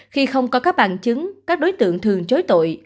khi không có các bằng chứng các đối tượng thường chối tội